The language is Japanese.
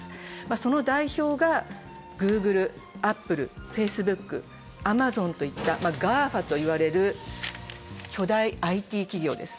その代表がＧｏｏｇｌｅ、アップル、ＦａｃｅｂｏｏｋＡｍａｚｏｎといったＧＡＦＡといわれる巨大ＩＴ企業です。